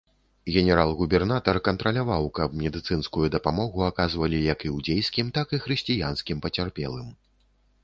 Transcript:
Генерал-губернатар кантраляваў, каб медыцынскую дапамогу аказвалі як іудзейскім, так і хрысціянскім пацярпелым.